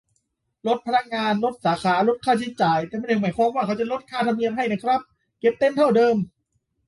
ลดพนักงาน ลดสาขา ลดค่าใช้จ่าย แต่ไม่ได้หมายความว่าเขาจะลดค่าธรรมเนียมให้นะครับ เก็บเต็มเท่าเดิม